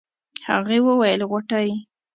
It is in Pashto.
هغې وويل غوټۍ.